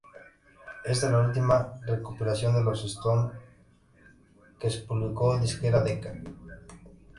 Esta es la última recopilación de los Stones que publicó la disquera Decca.